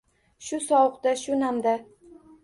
Shu sovukda, shu namda?